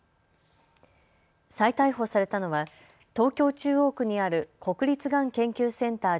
再逮捕されたのは東京中央区にある国立がん研究センター